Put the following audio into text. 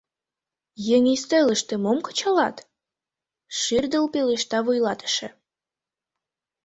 — Еҥ ӱстелыште мом кычалат? — шӱрдыл пелешта вуйлатыше.